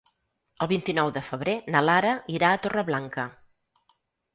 El vint-i-nou de febrer na Lara irà a Torreblanca.